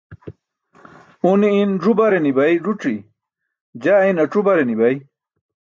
Une in ẓu-bare ni̇bay ẓuci, jaa in ac̣u-bare ni̇bay.